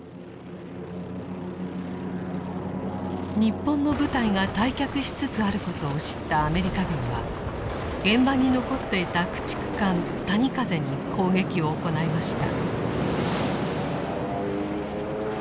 日本の部隊が退却しつつあることを知ったアメリカ軍は現場に残っていた駆逐艦「谷風」に攻撃を行いました。